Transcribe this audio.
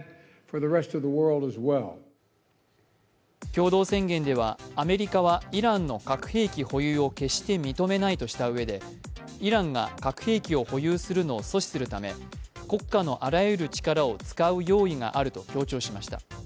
共同宣言ではアメリカはイランの核兵器保有を決して認めないとしたうえで、イランが核兵器を保有するのを阻止するため国家のあらゆる力を使う用意があると強調しました。